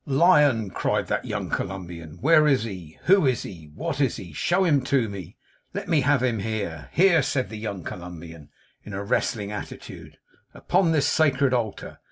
'Lion! (cried that young Columbian) where is he? Who is he? What is he? Show him to me. Let me have him here. Here!' said the young Columbian, in a wrestling attitude, 'upon this sacred altar.